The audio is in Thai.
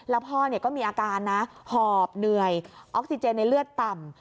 แล้วพ่อก็มีอาการนะหอบเหนื่อยออกซิเจนในเลือดต่ำ